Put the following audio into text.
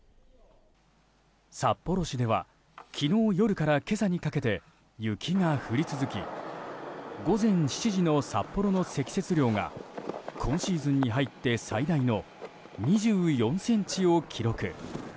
札幌市では昨日夜から今朝にかけて雪が降り続き午前７時の札幌の積雪量が今シーズンに入って最大の２４ｃｍを記録。